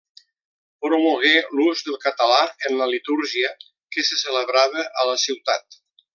Promogué l'ús del català en la litúrgia que se celebrava a la ciutat.